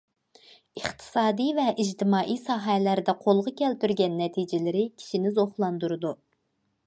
ئىقتىسادىي ۋە ئىجتىمائىي ساھەلەردە قولغا كەلتۈرگەن نەتىجىلىرى كىشىنى زوقلاندۇرىدۇ.